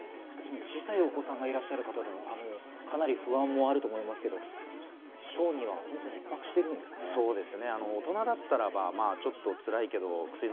小さいお子さんがいらっしゃる方はかなり不安もあると思いますけど、小児はひっ迫しているんですか？